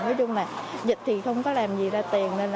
với chung là dịch thì không có làm gì ra tiền